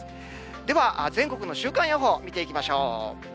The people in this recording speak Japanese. では、全国の週間予報、見ていきましょう。